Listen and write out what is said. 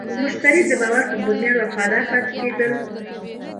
مشتری د باور په بنیاد وفادار پاتې کېږي.